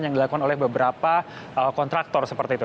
yang dilakukan oleh beberapa kontraktor seperti itu